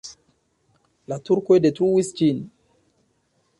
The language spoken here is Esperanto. La turkoj detruis ĝin.